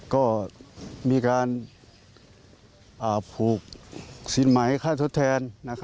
ว่ามีการอาภูกษ์สินไหมค่าทดแทน